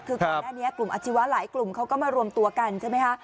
คือกลุ่มอาชีวะหลายกลุ่มเขาก็มารวมตัวกันใช่ไหมฮะ